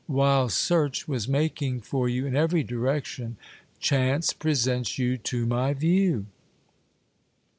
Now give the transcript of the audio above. While search was making for you in every direction, chance presents you to my view.